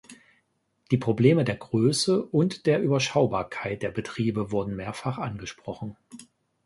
Die Probleme der Größe und der Überschaubarkeit der Betriebe wurden mehrfach angesprochen.